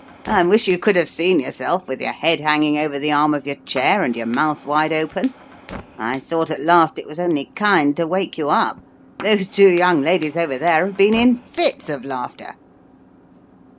I wish you could have seen yourself, with your head hanging over the arm of your chair and your mouth wide open ! I thought at last it was only kind to wake you up. Those two young ladies over there have been in fits of laughter